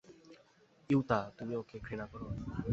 Yuta, তুমি ওকে ঘৃণা করো?